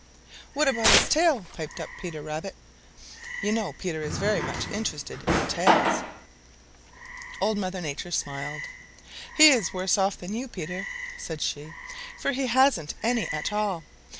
"What about his tail?" piped up Peter Rabbit. You know Peter is very much interested in tails. Old Mother Nature smiled. "He is worse off than you, Peter," said she, "for he hasn't any at all.